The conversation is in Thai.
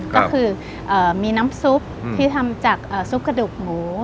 ก็คือมีน้ำซุปที่ทำจากซุปกระดูกหมู